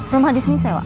rumah di sini sewa